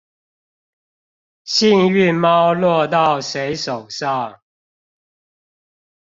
幸運貓落到誰手上